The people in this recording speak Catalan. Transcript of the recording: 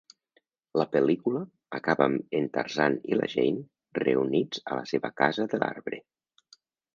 La pel·lícula acaba amb en Tarzan i la Jane reunits a la seva casa de l'arbre.